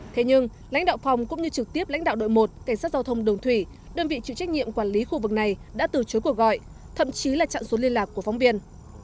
thế nhưng lãnh đạo phòng cũng như trực tiếp lãnh đạo đội một cảnh sát giao thông đường thủy đơn vị trực trách nhiệm quản lý khu vực này đã từ chối cuộc gọi thậm chí là chặn xuống liên lạc của phóng viên